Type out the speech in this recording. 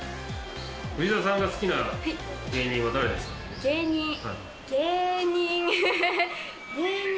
藤田さんが好きな芸人は誰で芸人、芸人。